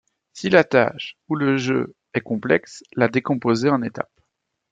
Si la tâche - ou le jeu - est complexe, la décomposer en étapes.